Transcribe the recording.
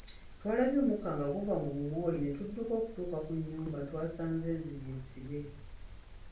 Twalabye omukka nga guva mu bumooli ne tudduka okutuuka ku nnyumba twasanze enzigi nsibe.